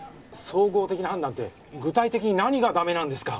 総合的な判断って具体的に何がダメなんですか？